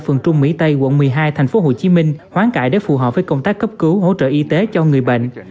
tổng thống mỹ tây quận một mươi hai tp hcm hoán cãi để phù hợp với công tác cấp cứu hỗ trợ y tế cho người bệnh